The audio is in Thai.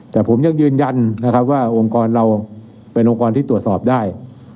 แต่ผมยังยืนยันนะครับว่าองค์กรเราเป็นองค์กรที่ตรวจสอบได้